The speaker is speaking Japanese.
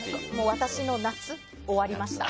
私の夏、終わりました。